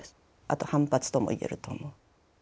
あと反発とも言えると思う。